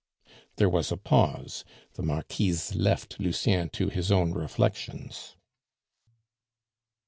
'" There was a pause; the Marquise left Lucien to his own reflections.